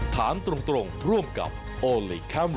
ถามตรงร่วมกับโอลี่คัมรี่ยากที่ใครจะตามพันธุ์